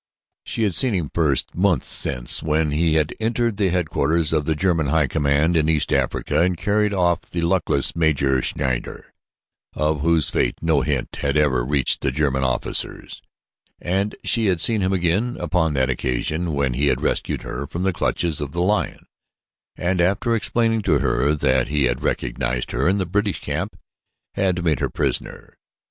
She had seen him first months since when he had entered the headquarters of the German high command in East Africa and carried off the luckless Major Schneider, of whose fate no hint had ever reached the German officers; and she had seen him again upon that occasion when he had rescued her from the clutches of the lion and, after explaining to her that he had recognized her in the British camp, had made her prisoner.